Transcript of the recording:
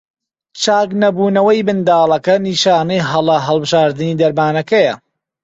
چاکنەبوونەوەی منداڵەکە نیشانەی هەڵە هەڵبژاردنی دەرمانەکەیە.